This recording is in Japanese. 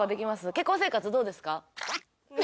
結婚生活どうですか？